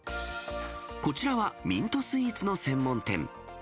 こちらはミントスイーツの専門店。